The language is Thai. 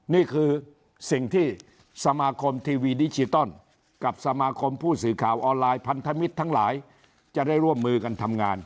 นี่คือสิ่งที่สมาคมทีวีดิจิตอลกับสมาคมผู้สื่อข่าวออนไลน์พันธมิตรทั้งหลายจะได้ร่วมมือกันทำงาน